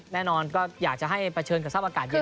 แน่นอนก็อยากจะให้ประเชิญกับท่าวอากาศเย็น